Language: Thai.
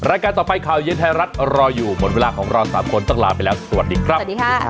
รายการต่อไปข่าวเย็นไทยรัฐรออยู่หมดเวลาของเรา๓คนตั้งละไปแล้วสวัสดีครับ